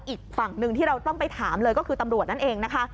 อีกฝั่งหนึ่งที่เราต้องไปถามเลยก็คือตำรวจนั่นเองนะคะ